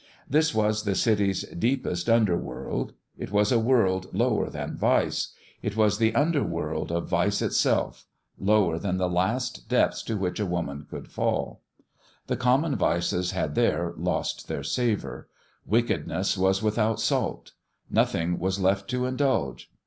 This was the city's deepest underworld. It was a world lower than vice ; it was the underworld of THEOLOGICAL TRAINING 157 vice itself lower than the last depths to which a woman could fall. The common vices had there lost their savour. Wickedness was without salt. Nothing was left to indulge.